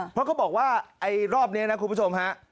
เพราะเขาบอกว่าไอ้รอบนี้นะคุณผู้ชมฮะ